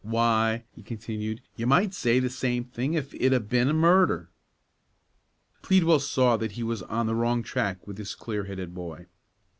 Why," he continued, "you might say the same thing if it'd 'a been murder." Pleadwell saw that he was on the wrong track with this clear headed boy.